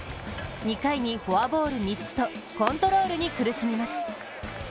２回にフォアボール３つとコントロールに苦しみます。